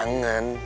kangen sih kangen